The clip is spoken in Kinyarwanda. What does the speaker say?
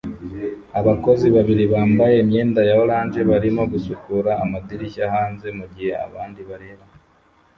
Abakozi babiri bambaye imyenda ya orange barimo gusukura amadirishya hanze mugihe abandi bareba